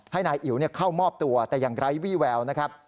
ให้นายอิ๋วเข้ามอบตัวแต่อย่างไร้วี่แววนะครับ